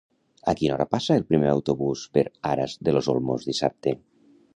A quina hora passa el primer autobús per Aras de los Olmos dissabte?